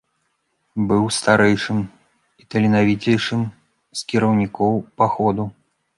Быў старэйшым і таленавіцейшым з кіраўнікоў паходу.